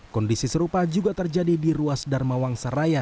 kondisi serupa juga terjadi di ruas dharma wangsa raya